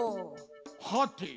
はて？